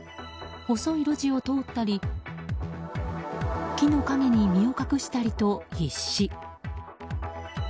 細い路地を通ったり木の陰に身を隠したりと必死。